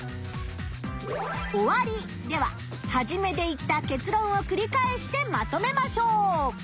おわりでははじめで言った結論をくり返してまとめましょう！